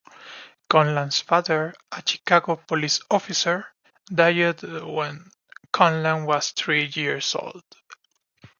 Conlan's father, a Chicago police officer, died when Conlan was three years old.